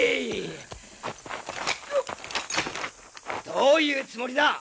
どういうつもりだ！